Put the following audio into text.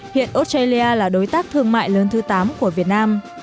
hiện australia là đối tác thương mại lớn thứ tám của việt nam